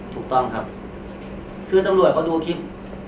ถูกต้องครับคือตำรวจเขาดูคลิป